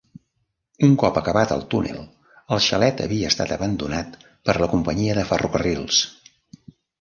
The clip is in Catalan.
Un cop acabat el túnel el xalet havia estat abandonat per la companyia de ferrocarrils.